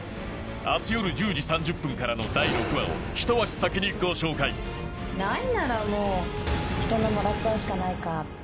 明日夜１０時３０分からの第６話をひと足先にご紹介ないならもうひとのもらっちゃうしかないかって。